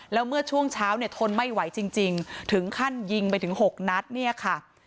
แล้วเมื่อช่วงเช้าเนี่ยทนไม่ไหวจริงถึงขั้นยิงไปถึง๖นัดเนี่ยค่ะ